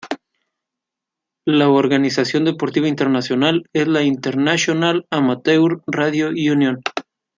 La organización deportiva internacional es la International Amateur Radio Union.